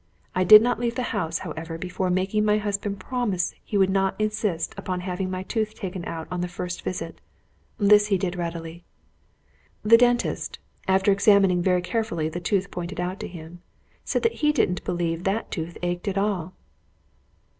I did not leave the house, however, before making my husband promise he would not insist upon my having the tooth taken out on the first visit. This he did readily. The dentist, after examining very carefully the tooth pointed out to him, said that he didn't believe that tooth ached at all.